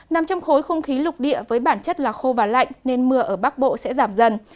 nằm trong khối không khí lục địa với bản chất là khô và lạnh nên mưa ở bắc bộ sẽ giảm dần